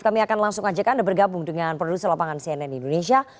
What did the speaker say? kami akan langsung ajak anda bergabung dengan produser lapangan cnn indonesia